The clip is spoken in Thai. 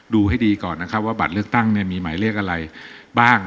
ดูให้ดีก่อนนะครับว่าบัตรเลือกตั้งเนี่ยมีหมายเลขอะไรบ้าง